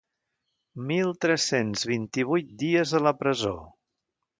Mil tres-cents vint-i-vuit dies a la presó.